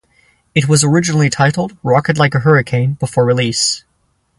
It was originally titled "Rocket Like a Hurricane" before release.